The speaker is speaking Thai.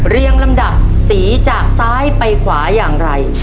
ลำดับสีจากซ้ายไปขวาอย่างไร